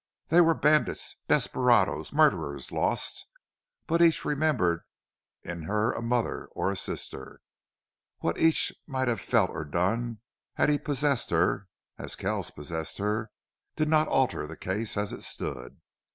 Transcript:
They were bandits, desperados, murderers, lost, but each remembered in her a mother or a sister. What each might have felt or done had he possessed her, as Kells possessed her, did not alter the case as it stood.